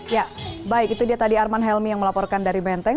ya baik itu dia tadi arman helmi yang melaporkan dari menteng